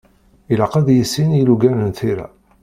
Ilaq ad yissin ilugan n tira.